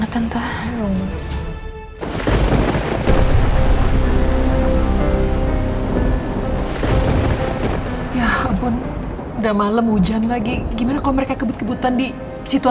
tante khawatir sekali sama alsa